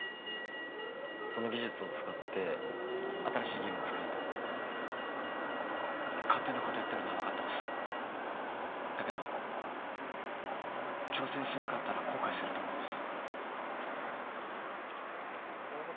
その技術を使って新しいゲームを作りたい勝手なこと言ってるのは分かってますだけど挑戦しなかったら後悔すると思うんです